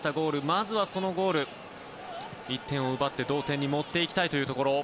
まずは、そのゴール１点を奪って同点に持っていきたいところ。